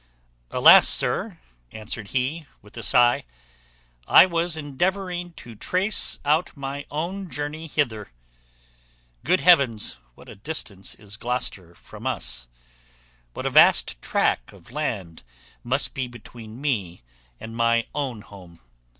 "Alas! sir," answered he with a sigh, "I was endeavouring to trace out my own journey hither. Good heavens! what a distance is Gloucester from us! What a vast track of land must be between me and my own home!"